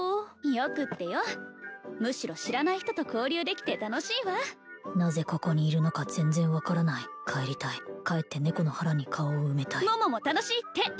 よくってよむしろ知らない人と交流できて楽しいわなぜここにいるのか全然分からない帰りたい帰って猫の腹に顔を埋めたい桃も楽しいって！